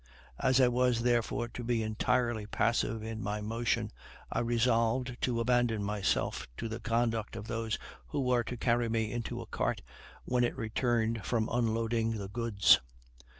As I was therefore to be entirely passive in my motion, I resolved to abandon myself to the conduct of those who were to carry me into a cart when it returned from unloading the goods.